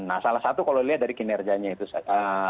nah salah satu kalau dilihat dari kinerjanya itu